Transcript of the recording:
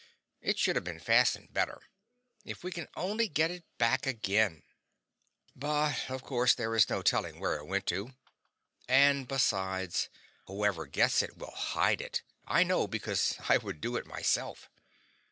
It should have been fastened better. If we can only get it back again But of course there is no telling where it went to. And besides, whoever gets it will hide it; I know it because I would do it myself.